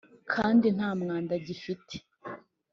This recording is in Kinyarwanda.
kandi nta mwanda gifite.